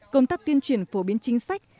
công tác tuyên truyền phổ biến chính sách